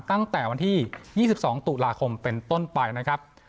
ตั้งแต่วันที่๒๒ตุลาคมเป็นต้นไปนะครับ